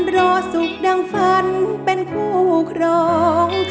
รอสุขดังฝันเพียงพูกร้อง